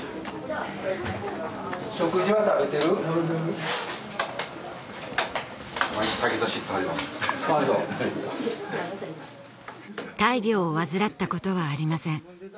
ああそう大病を患ったことはありません